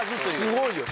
すごいよ。